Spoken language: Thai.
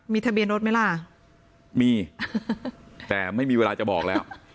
ทะเบียนรถไหมล่ะมีแต่ไม่มีเวลาจะบอกแล้ว